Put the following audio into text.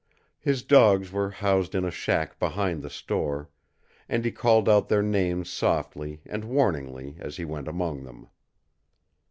His dogs were housed in a shack behind the store, and he called out their names softly and warningly as he went among them.